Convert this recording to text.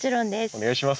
お願いします。